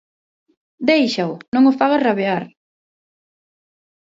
Déixao! Non o fagas rabear